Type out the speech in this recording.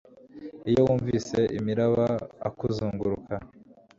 Iyo wunvise imiraba a kuzunguruka